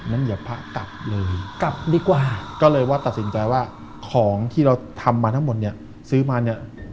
งั้นอย่าพระกลับเลยกลับดีกว่าก็เลยว่าตัดสินใจว่าของที่เราทำมาทั้งหมดเนี่ยซื้อมาเนี่ย